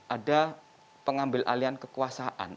ada pengambil alih kekuasaan